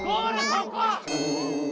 ここ！